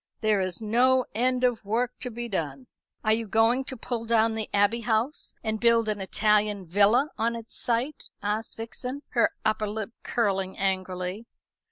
There is no end of work to be done." "Are you going to pull down the Abbey House and build an Italian villa on its site?" asked Vixen, her upper lip curling angrily.